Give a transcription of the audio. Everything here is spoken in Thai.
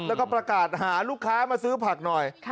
แล้วก็ประกาศหาลูกค้ามาซื้อผักหน่อย